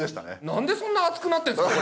なんでそんな熱くなってんすか？